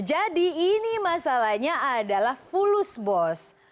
jadi ini masalahnya adalah fulus bos